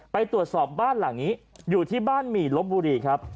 ไปตรวจสอบบ้านหลังนี้อยู่ที่บ้านหมี่ลบบุรีครับ